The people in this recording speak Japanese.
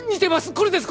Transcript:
これです